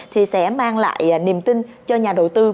thì sẽ mang lại niềm tin cho nhà đầu tư